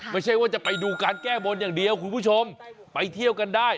ไม่ใช่ว่าจะไปดูการแก้บนอย่างเดียวคุณผู้ชมไปเที่ยวกันได้